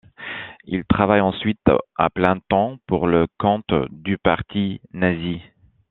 Il travaille ensuite à plein temps pour le compte du parti nazi.